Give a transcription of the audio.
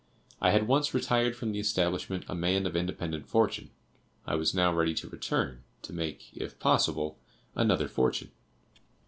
I had once retired from the establishment a man of independent fortune; I was now ready to return, to make, if possible, another fortune.